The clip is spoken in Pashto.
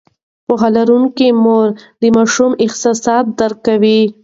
پوهه لرونکې مور د ماشوم احساسات درک کوي.